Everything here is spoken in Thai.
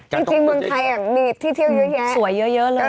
จริงโมงไทยอย่างนี้ที่เที่ยวย็วแย๊ะ